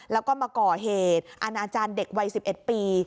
แล้วก็มาก่อเหตุอาณาจารย์เด็กวัย๑๑ปี